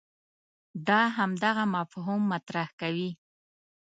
دا همدغه مفهوم مطرح کوي.